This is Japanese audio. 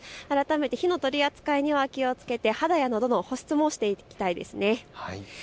改めて火の取り扱いには気をつけて肌やのどの保湿もしていきたいですね。